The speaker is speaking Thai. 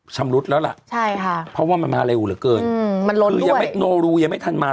ชำรุดแล้วล่ะใช่ค่ะเพราะว่ามันมาเร็วเหลือเกินอืมมันล้นคือยังไม่โนรูยังไม่ทันมา